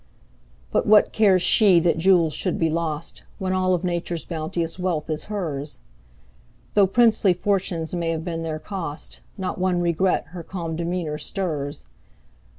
But what cares she that jewels should be lost, When all of Nature's bounteous wealth is hers? Though princely fortunes may have been their cost, Not one regret her calm demeanor stirs.